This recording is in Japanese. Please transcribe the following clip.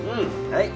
はい。